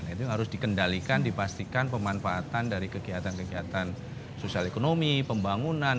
itu harus dikendalikan dipastikan pemanfaatan dari kegiatan kegiatan sosial ekonomi pembangunan